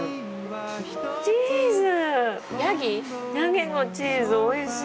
チーズ！